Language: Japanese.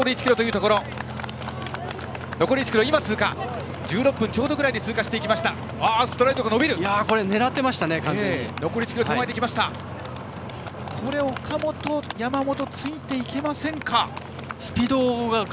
これに岡本、山本ついていけませんか。